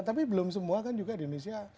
tapi belum semua kan juga di indonesia